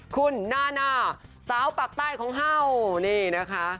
คุณนานาสาวปากใต้ของเฮ่านี่นะคะ